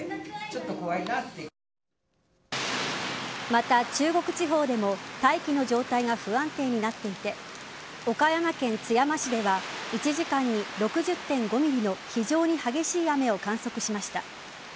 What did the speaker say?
また、中国地方でも大気の状態が不安定になっていて岡山県津山市では１時間に６０．５ｍｍの非常に激しい雨を観測しました。